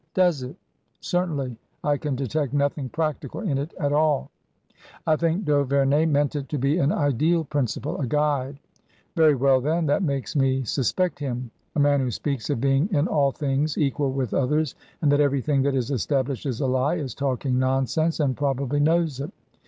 " Does it ?"" Certainly. I can detect nothing practical in it at all." " I think d'Auverney meant it to be an ideal principle — a guide." G k 13 146 TRANSITION. " Very well, then* That makes me suspect him. A man who speaks of being in all things equal with others, and that everything that is established is a lie, is talking nonsense and probably knows it."